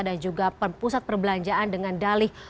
juga pusat perbelanjaan dengan dalih